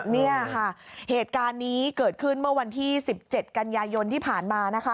นี่ค่ะเหตุการณ์นี้เกิดขึ้นเมื่อวันที่๑๗กันยายนที่ผ่านมานะคะ